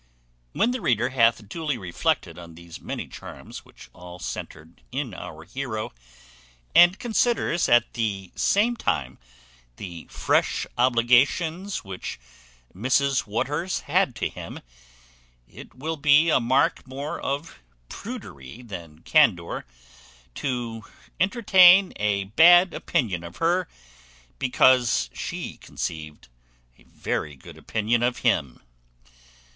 When the reader hath duly reflected on these many charms which all centered in our heroe, and considers at the same time the fresh obligations which Mrs Waters had to him, it will be a mark more of prudery than candour to entertain a bad opinion of her because she conceived a very good opinion of him.